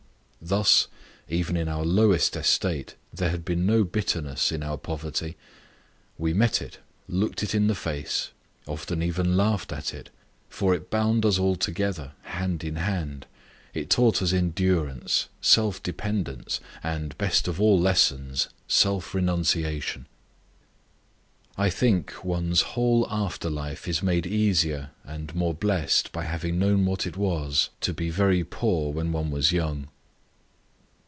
Thus, even in our lowest estate there had been no bitterness in our poverty; we met it, looked it in the face, often even laughed at it. For it bound us all together, hand in hand; it taught us endurance, self dependence, and, best of all lessons, self renunciation. I think, one's whole after life is made easier and more blessed by having known what it was to be very poor when one was young.